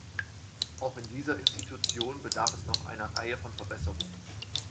Auch in dieser Institution bedarf es noch einer Reihe von Verbesserungen.